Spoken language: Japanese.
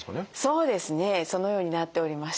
そうですねそのようになっておりまして。